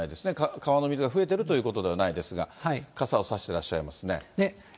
川の水が増えてるということではないですが、傘を差してらっしゃいますね。